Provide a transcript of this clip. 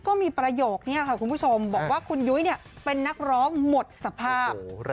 ก็มีประโยคนี้ค่ะคุณผู้ชมบอกว่าคุณยุ้ยเป็นนักร้องหมดสภาพ